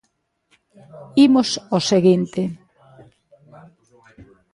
Imos ao seguinte.